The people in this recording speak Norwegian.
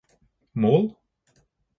mål